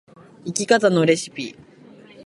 生き方のレシピ